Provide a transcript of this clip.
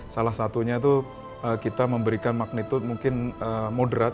salah satunya itu kita memberikan magnitude mungkin moderat